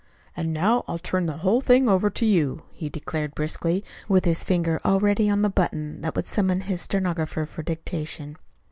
"And now I'll turn the whole thing over to you," he declared briskly, with his finger already on the button that would summon his stenographer for dictation.